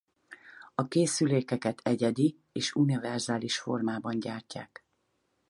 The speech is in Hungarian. A készülékeket egyedi és univerzális formában gyártják.